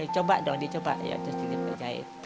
coba dong dicoba yaudah jahit